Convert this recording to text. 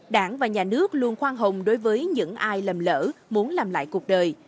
đảng và nhà nước luôn khoan hồng đối với những ai lầm lỡ muốn làm lại cuộc đời